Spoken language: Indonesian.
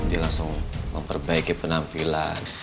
dia langsung memperbaiki penampilan